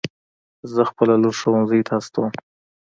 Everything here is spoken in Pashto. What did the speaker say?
زه خپله لور ښوونځي ته استوم